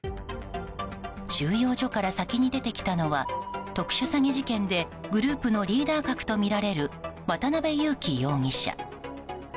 収容所から先に出てきたのは特殊詐欺事件でグループのリーダー格とみられる渡邉優樹容疑者。